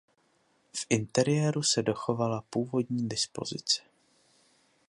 V interiéru se dochovala původní dispozice.